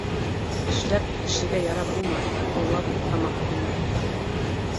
Эшләп кешегә ярап булмаҫ, урлап тамаҡ туймаҫ.